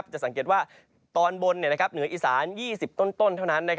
จะสังเกตว่าตอนบนเหนืออีสาน๒๐ต้นเท่านั้น